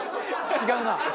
違うな。